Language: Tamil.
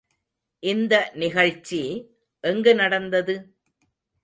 இந்த நிகழ்ச்சி எங்கு நடந்தது?